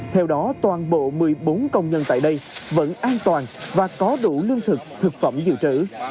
theo đó toàn bộ một mươi bốn công nhân tại đây vẫn an toàn và có đủ lương thực thực phẩm dự trữ